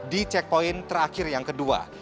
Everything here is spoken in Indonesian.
di checkpoint terakhir yang kedua